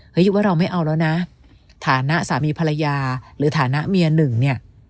คิดว่าเราไม่เอาแล้วนะฐานะสามีภรรยาหรือฐานะเมียหนึ่งเนี่ย